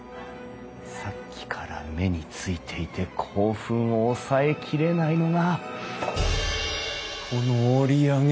さっきから目に付いていて興奮を抑えきれないのがこの折り上げ